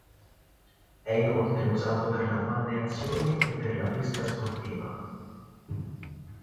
È inoltre usato per la balneazione e per la pesca sportiva.